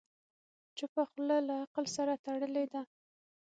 چپه خوله، له عقل سره تړلې ده.